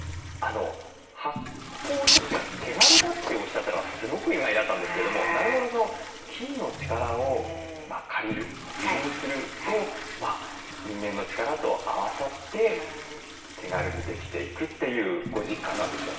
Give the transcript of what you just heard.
発酵食品は手軽だっておっしゃったのがすごく意外だったんですけどもなるほど菌の力を借りる利用すると人間の力と合わさって手軽にできていくというご実感なんでしょうね。